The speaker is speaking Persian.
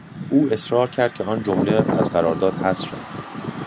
او اصرار کرد که آن جمله از قرارداد حذف شود.